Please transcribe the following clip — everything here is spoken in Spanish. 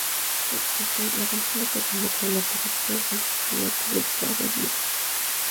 La consigna que convocaba al acto era: "Todos juntos por libertad, trabajo y democracia".